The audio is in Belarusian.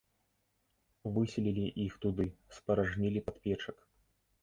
Выселілі іх туды, спаражнілі падпечак.